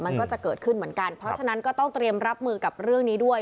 มันก็จะเกิดขึ้นเหมือนกันเพราะฉะนั้นก็ต้องเตรียมรับมือกับเรื่องนี้ด้วย